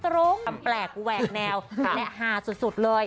กระตรงแปลกแหวกแนวและหาสุดสุดเลย